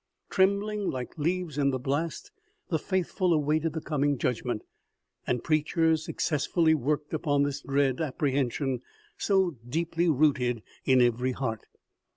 Trembling like leaves in the blast, the faithful awaited the coming judg ment ; and preachers successfully worked upon this dread apprehension, so deeply rooted in every heart.